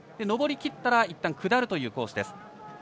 上りきったらいったん下るというコース。